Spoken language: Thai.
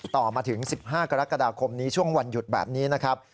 ต่อมาถึง๑๕กรกฎาคมนี้ช่วงวันหยุดแบบนี้นะครับ